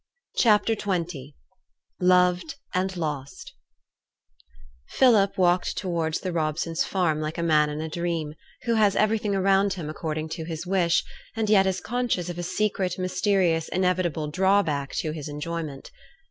CHAPTER XX LOVED AND LOST Philip walked towards the Robsons' farm like a man in a dream, who has everything around him according to his wish, and yet is conscious of a secret mysterious inevitable drawback to his enjoyment.